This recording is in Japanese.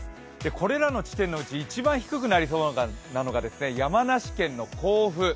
これらの地点のうち一番低くなりそうなのが山梨県の甲府。